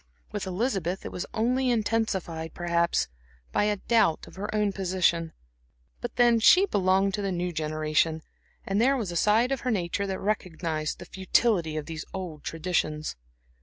With Elizabeth it was only intensified, perhaps, by a doubt of her own position. But then she belonged to the new generation; and there was a side of her nature that recognized the futility of these old traditions.